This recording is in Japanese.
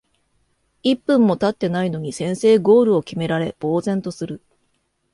一分もたってないのに先制ゴールを決められ呆然とする